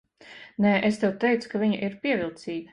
Nē, es tev teicu, ka viņa ir pievilcīga.